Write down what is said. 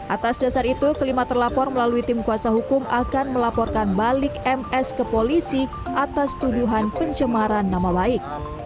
atas dasar itu kelima terlapor melalui tim kuasa hukum akan melaporkan balik ms ke polisi atas tuduhan pencemaran nama baik